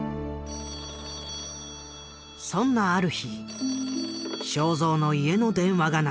☎そんなある日正蔵の家の電話が鳴った。